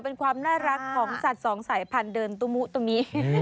เป็นความน่ารักของสัตว์สองสายพันธุเดินตุมุตัวนี้